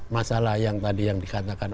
masalah yang tadi yang dikatakan